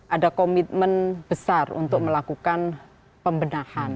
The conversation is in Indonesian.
ada komitmen besar untuk melakukan pembenahan